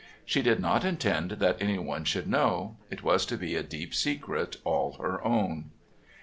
She did not intend that anyone should know. It was to be a deep secret all of her own.